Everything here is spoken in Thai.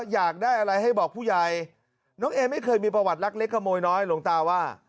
อยากได้อะไรให้บอกผู้ใหญ่น้องเอไม่เคยมีประวัติรักเล็กขโมยน้อยหลวงตาว่า